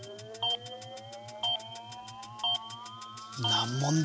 難問だ！